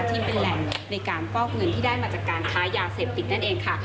ที่เป็นแหล่งในการฟอกเงินที่ได้มาจากการค้ายาเสพติดนั่นเองค่ะ